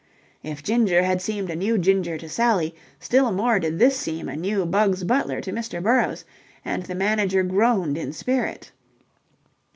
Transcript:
If Ginger had seemed a new Ginger to Sally, still more did this seem a new Bugs Butler to Mr. Burrowes, and the manager groaned in spirit.